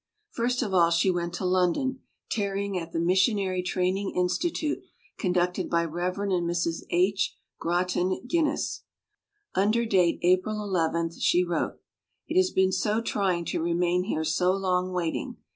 First of all she went to London, tarrying at the Missionary Training Institute con ducted by Rey. and Mrs. H. Grattan Guin ness. Under date April 11 she wrote: "It has been so trying to remain here so long waiting.